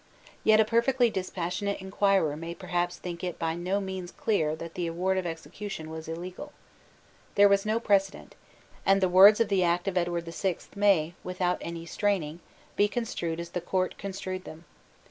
Yet a perfectly dispassionate inquirer may perhaps think it by no means clear that the award of execution was illegal. There was no precedent; and the words of the Act of Edward the Sixth may, without any straining, be construed as the Court construed them.